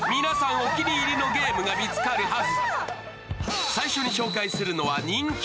お気に入りのゲームが見つかるはず。